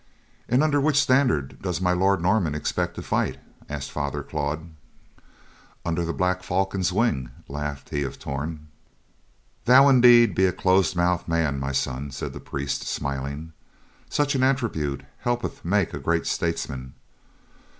"And under which standard does My Lord Norman expect to fight?" asked Father Claude. "Under the black falcon's wing," laughed he of Torn. "Thou be indeed a close mouthed man, my son," said the priest, smiling. "Such an attribute helpeth make a great statesman.